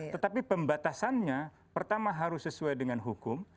tetapi pembatasannya pertama harus sesuai dengan hukum